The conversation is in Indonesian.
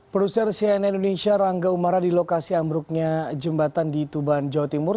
produser cnn indonesia rangga umara di lokasi ambruknya jembatan di tuban jawa timur